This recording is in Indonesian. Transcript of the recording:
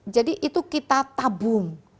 jadi itu kita tabung